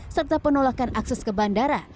serta penolakan akses ke bandara